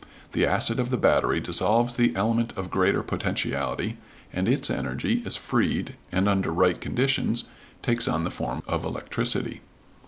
The acid of the battery dissolves the element of greater potentiality, and its energy is freed and under right conditions takes on the form of electricity.